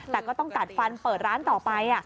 แต่ก็ต้องกัดฟันเปิดร้านต่อไป